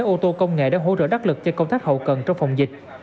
là xe ô tô công nghệ đã hỗ trợ đắc lực cho công tác hậu cần trong phòng dịch